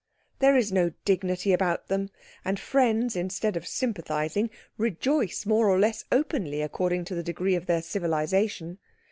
There is no dignity about them, and friends, instead of sympathising, rejoice more or less openly according to the degree of their civilisation.